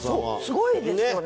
すごいですよね。